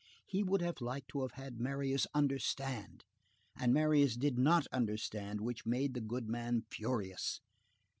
He would have liked to have Marius understand, and Marius did not understand, which made the goodman furious.